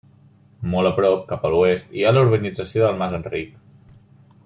Molt a prop, cap a l'oest, hi ha la urbanització del Mas Enric.